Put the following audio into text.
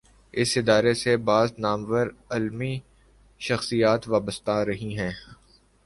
اس ادارے سے بعض نامور علمی شخصیات وابستہ رہی ہیں۔